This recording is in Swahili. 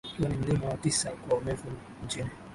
ukiwa ni mlima wa tisa kwa urefu nchini